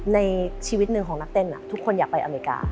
ในชีวิตหนึ่งของนักเต้นทุกคนอยากไปอเมริกา